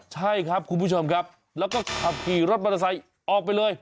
ใช่ครับคุณผู้ชมครับแล้วก็ขับขี่รถมอเตอร์ไซค์ออกไปเลย